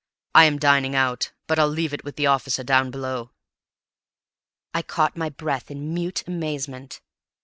"I am dining out, but I'll leave it with the officer down below." I caught my breath in mute amazement.